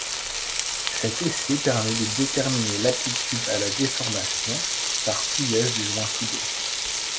Cet essai permet de déterminer l'aptitude à la déformation par pliage du joint soudé.